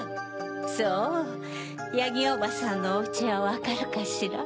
そうヤギおばさんのおうちはわかるかしら？